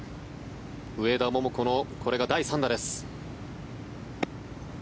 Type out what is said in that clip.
上田桃子のこれが第３打です。